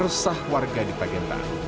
setelah warga di pak gintan